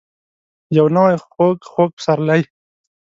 یو نوی خوږ. خوږ پسرلی ،